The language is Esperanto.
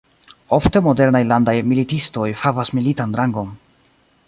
Ofte, modernaj landaj militistoj havas militan rangon.